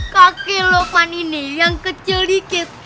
kakek lo pan ini yang kecil dikit